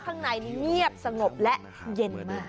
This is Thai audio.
ข้างในเงียบสงบและเย็นมาก